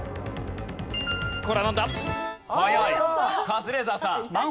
カズレーザーさん。